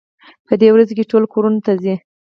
په دې ورځو کې ټول کورونو ته ځي.